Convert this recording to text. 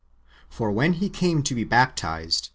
For when He came to be baptized.